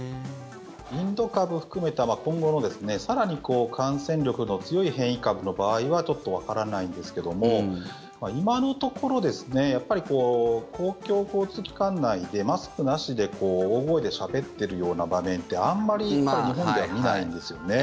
インド株含めた今後の更に感染力の強い変異株の場合はちょっとわからないんですけども今のところ公共交通機関内でマスクなしで大声でしゃべっているような場面ってあんまり日本では見ないんですよね。